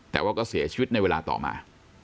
แต่ว่าก็เสียชีวิตในเวลาต่อมา